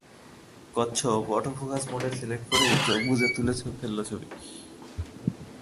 কচ্ছপ auto focus mode select করেই চোখ বুজে তুলে ফেলল ছবি।